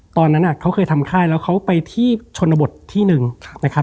ตอนนั้นเขาเคยทำค่ายแล้วเขาไปที่ชนบทที่หนึ่งนะครับ